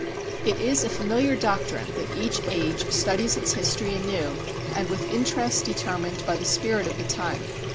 It is a familiar doctrine that each age studies its history anew and with interests determined by the spirit of the time.